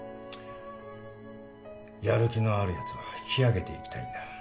やる気のあるやつは引き上げていきたいんだ